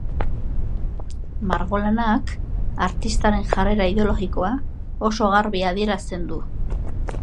Margolana artistaren jarrera ideologikoa oso garbi adierazten du.